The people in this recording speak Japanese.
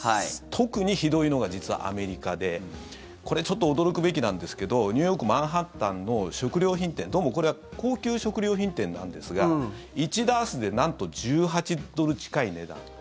特にひどいのが実はアメリカでこれ、ちょっと驚くべきなんですけどニューヨーク・マンハッタンの食料品店どうもこれは高級食料品店なんですが１ダースでなんと１８ドル近い値段。